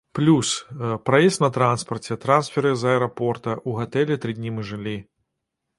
Плюс, праезд на транспарце, трансферы з аэрапорта, у гатэлі тры дні мы жылі.